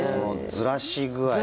ずらし具合。